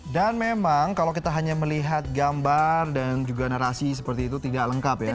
dan memang kalau kita hanya melihat gambar dan juga narasi seperti itu tidak lengkap ya